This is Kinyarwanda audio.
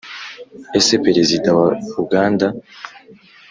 ese perezida wa uganda